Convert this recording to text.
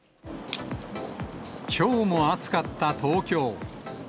きょうも暑かった東京。